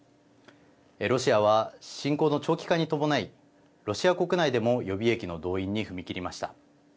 ロシアは侵攻の長期化に伴いロシア国内でも予備役の動員に踏み切りました。